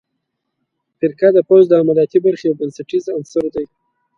فرقه د پوځ د عملیاتي برخې یو بنسټیز عنصر دی.